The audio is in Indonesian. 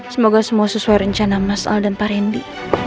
semoga semua sesuai rencana mas al dan pak randy